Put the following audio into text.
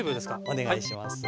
お願いします。